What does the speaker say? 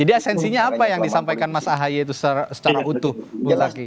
jadi esensinya apa yang disampaikan mas ahy itu secara utuh bung zaky